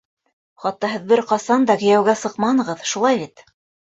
Хатта һеҙ бер ҡасан да кейәүгә сыҡманығыҙ, шулай бит?